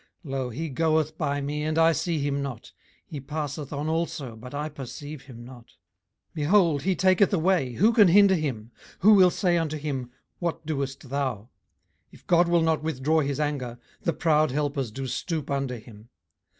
18:009:011 Lo, he goeth by me, and I see him not: he passeth on also, but I perceive him not. 18:009:012 Behold, he taketh away, who can hinder him? who will say unto him, What doest thou? 18:009:013 If God will not withdraw his anger, the proud helpers do stoop under him.